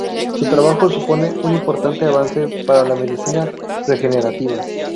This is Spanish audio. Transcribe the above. Su trabajo supone un importante avance para la medicina regenerativa".